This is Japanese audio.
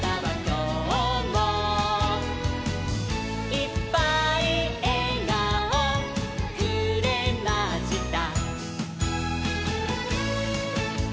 「いっぱいえがおくれました」